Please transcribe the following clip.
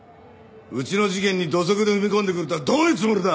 うちの事件に土足で踏み込んでくるとはどういうつもりだ！？